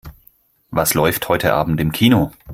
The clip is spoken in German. Was läuft heute Abend im Kino?